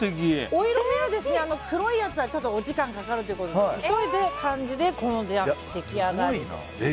お色味は黒いやつは時間がかかるということで急いだ感じでこの出来上がりです。